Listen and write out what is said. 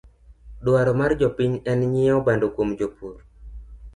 Dwaro mar jopiny en nyieo bando kwuom jopurr